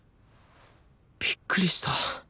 びっくりした。